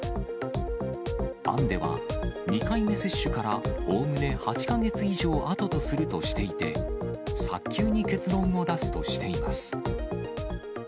案では、２回目接種からおおむね８か月以上あととするとしていて、早急に結論を出すとしています。